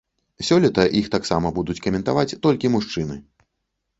Сёлета іх таксама будуць каментаваць толькі мужчыны.